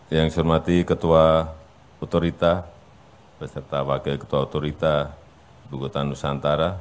yang saya hormati ketua otorita beserta wakil ketua otorita bukutan nusantara